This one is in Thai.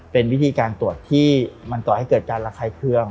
เป็นวิธีการตรวจที่มันก่อให้เกิดการระคายเครื่อง